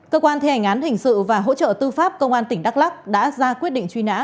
cơ quan thi hành án hình sự và hỗ trợ tư pháp công an tỉnh đắk lắc đã ra quyết định truy nã